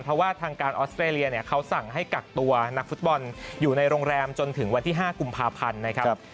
เพราะว่าทางการออสเตรเลียเนี่ยเขาสั่งให้กักตัวนักฟุตบอลอยู่ในโรงแรมจนถึงวันที่๕กุมภาพันธ์นะครับ